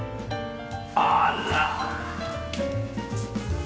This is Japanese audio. あら！